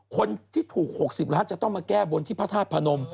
คนที่ถูก๖๐ล้านจะต้องมาแก้บนที่พระธาตุพนม